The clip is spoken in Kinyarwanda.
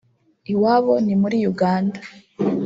iwabo ni muri Uganda